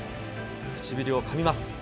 唇をかみます。